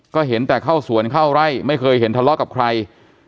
ก็เห็นแต่เข้าสวนเข้าไร่ไม่เคยเห็นทะเลาะกับใคร